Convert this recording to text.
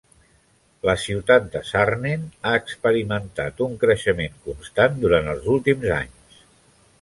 La ciutat de Sarnen ha experimentat un creixement constant durant els últims anys.